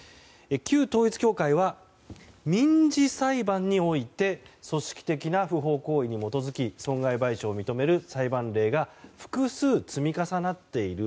旧統一教会は民事裁判において組織的な不法行為に基づき損害賠償を認める裁判例が複数、積み重なっている。